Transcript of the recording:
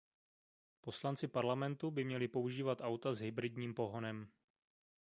Poslanci Parlamentu by měli používat auta s hybridním pohonem.